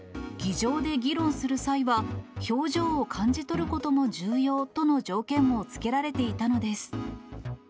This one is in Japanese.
議場で議論する際は、表情を感じ取ることも重要との条件も付けられていたのです。